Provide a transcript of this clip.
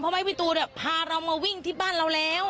เพราะไหมพี่ตูนพาเรามาวิ่งที่บ้านเราแล้ว